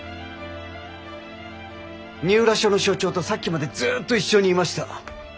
二浦署の署長とさっきまでずっと一緒にいました。